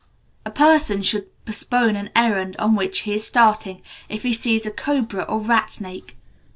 A person should postpone an errand on which he is starting, if he sees a cobra or rat snake.